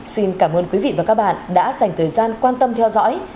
xin cảm ơn quý vị và các bạn đã dành thời gian quan tâm theo dõi